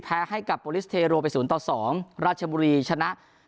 แพ้ให้กับโบลิสเทโรไปศูนย์ต่อสองราชบุรีชนะ